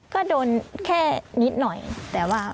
ก็โดนแค่นิดหน่อยแต่ว่า